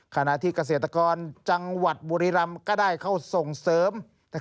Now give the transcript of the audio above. ขณะที่เกษตรกรจังหวัดบุรีรำก็ได้เข้าส่งเสริม